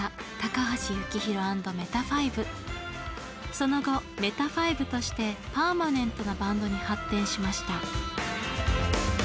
その後ＭＥＴＡＦＩＶＥとしてパーマネントなバンドに発展しました。